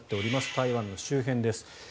台湾の周辺です。